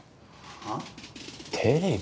はぁ？テレビ？